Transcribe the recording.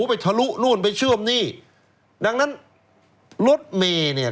ไปทะลุไปเชื้อมหนี้ดังนั้นรสเมเนี่ย